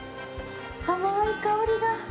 甘い香りが。